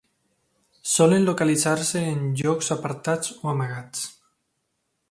Solen localitzar-se en llocs apartats o amagats.